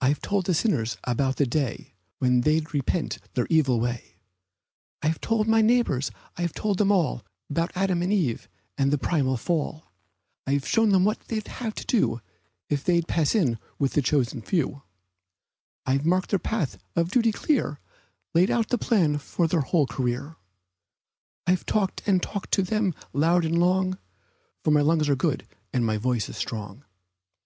I've told the sinners about the day When they'd repent their evil way; I have told my neighbors, I have told them all 'Bout Adam and Eve, and the primal fall; I've shown them what they'd have to do If they'd pass in with the chosen few; I've marked their path of duty clear Laid out the plan for their whole career; I've talked and talked to 'em, loud and long, For my lungs are good and my voice is strong.